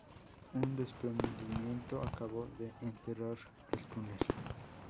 Un desprendimiento acabó de enterrar el túnel.